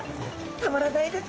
たまらないです。